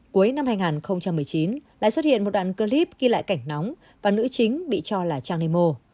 cuối năm hai nghìn một mươi chín lại xuất hiện một đoạn clip ghi lại cảnh nóng và nữ chính bị cho là trang nemo